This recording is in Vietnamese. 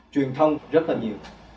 truyền thông rất là nhiều